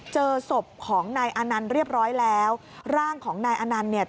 เจอศพของนายอานันต์เรียบร้อยแล้วร่างของนายอนันต์เนี่ย